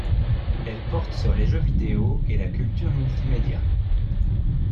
Elle porte sur les jeux vidéo et la culture multimédia.